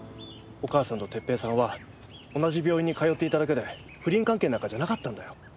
お母さんと哲平さんは同じ病院に通っていただけで不倫関係なんかじゃなかったんだよ。